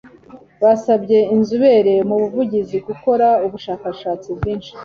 Basabye inzobere mu buvuzi gukora ubushakashatsi bwinshi.